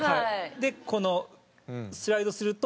でこのスライドすると。